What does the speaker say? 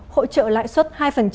hỗ trợ lãi suất hai